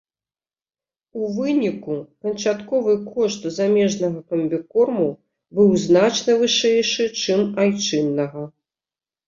У выніку канчатковы кошт замежнага камбікорму быў значна вышэйшы, чым айчыннага.